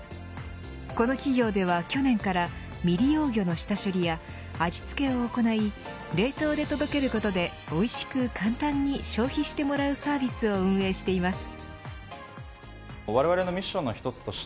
この企業では、去年から未利用魚の下処理や味付けを行い冷凍で届けることで美味しく簡単に消費してもらうサービスを運営しています。